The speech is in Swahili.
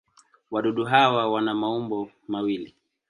Wadudu hawa wana maumbo mawili.